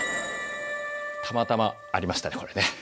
たまたまありましたね